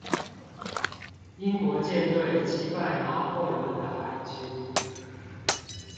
英國艦隊擊敗拿破崙的海軍